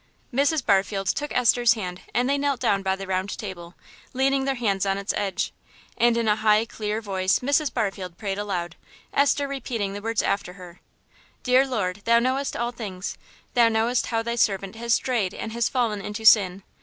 Mrs. Barfield took Esther's hand and they knelt down by the round table, leaning their hands on its edge. And, in a high, clear voice, Mrs. Barfield prayed aloud, Esther repeating the words after her "Dear Lord, Thou knowest all things, knowest how Thy servant has strayed and has fallen into sin.